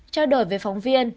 trao đổi với phóng viên